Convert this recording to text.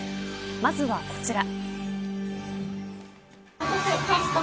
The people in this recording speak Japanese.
まずはこちら。